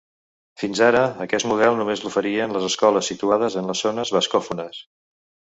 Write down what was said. Fins ara aquest model només l’oferien les escoles situades en les zones bascòfones.